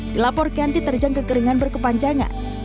dilaporkan diterjang kekeringan berkepanjangan